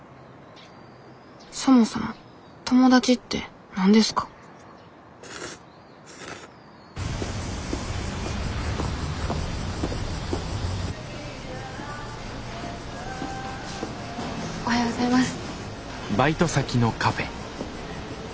そもそも友達って何ですかおはようございます。